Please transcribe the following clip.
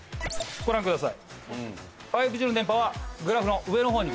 ご覧ください。